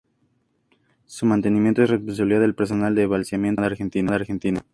Su mantenimiento es responsabilidad del personal de balizamiento de la Armada Argentina.